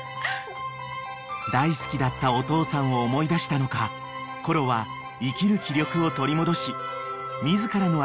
［大好きだったお父さんを思い出したのかコロは生きる気力を取り戻し自らの足で起き上がったのです］